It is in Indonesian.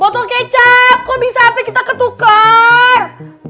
botol kecap kok bisa apa kita ketukar